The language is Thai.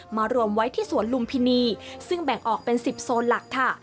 รวมไว้ที่สวนลุมพินีซึ่งแบ่งออกเป็น๑๐โซนหลักค่ะ